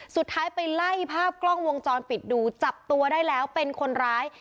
สุดท้ายไปไล่ภาพกล้องวงจรปิดดูจับตัวได้แล้วเป็นคนร้าย